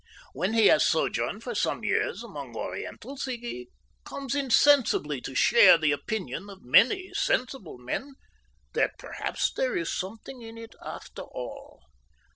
When he has sojourned for some years among Orientals, he comes insensibly to share the opinion of many sensible men that perhaps there is something in it after all."